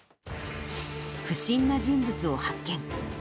不審な人物を発見。